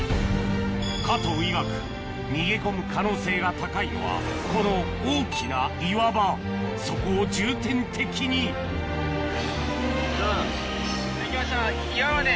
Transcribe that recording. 加藤いわく逃げ込む可能性が高いのはこの大きな岩場そこを重点的に行きましょう岩場まで。